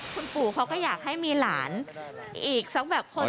คุณปู่เขาก็อยากให้มีหลานอีกสักแบบคน